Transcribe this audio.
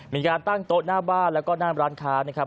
มีการตั้งโต๊ะหน้าบ้านแล้วก็หน้าร้านค้านะครับ